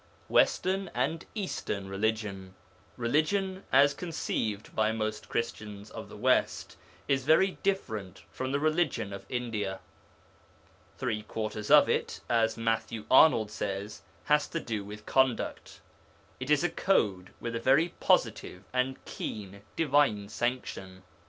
WESTERN AND EASTERN RELIGION Religion, as conceived by most Christians of the West, is very different from the religion of India. Three quarters of it (as Matthew Arnold says) has to do with conduct; it is a code with a very positive and keen divine sanction.